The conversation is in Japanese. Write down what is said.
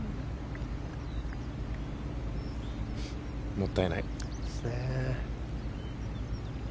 もったいない。